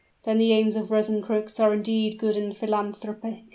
"Then the aims of Rosencrux are entirely good and philanthropic?"